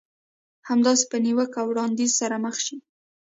همداسې په نيوکه او وړانديز سره مخ شئ.